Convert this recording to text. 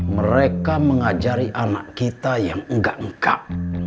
mereka mengajari anak kita yang enggak engkap